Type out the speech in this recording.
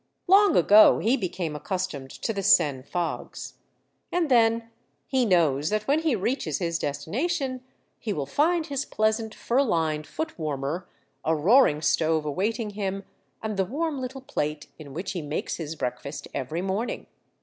Long ago he became accustomed to the Seine A Book keeper, 201 fogs. And then, he knows that when he reaches his destination he will find his pleasant fur lined foot warmer, a roaring stove awaiting him, and the warm little plate in which he makes his breakfast every morning.